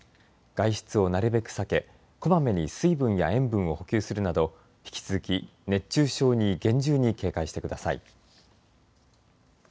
外出をなるべく避け、こまめに水分や塩分を補給するなど引き続き熱中症に厳重に警戒してください。